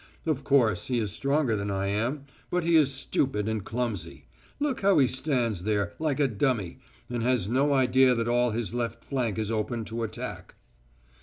"Of course, he is stronger than I am, but he is stupid and clumsy. Look how he stands there, like a dummy, and has no idea that all his left flank is open to attack."